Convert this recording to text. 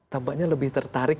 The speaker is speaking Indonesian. tampaknya lebih tertarik